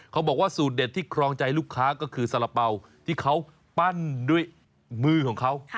เขาบอกว่าสูตรเด็ดที่ครองใจลูกค้าก็คือสาระเป๋าที่เขาปั้นด้วยมือของเขา